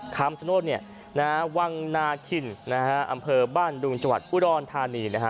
คำสนดเนี่ยวางนาคินอำเภอบ้านดุงจวัดอุดอลธานีนะฮะ